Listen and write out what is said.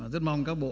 rất mong các bộ